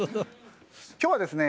今日はですね